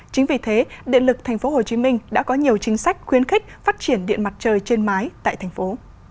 chính vì thế điện lực tp hcm đã có nhiều chính sách khuyến khích phát triển điện mặt trời trên mái tại thành phố